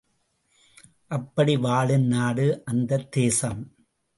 அப்படி வாழும் நாடு அந்த தேசம்.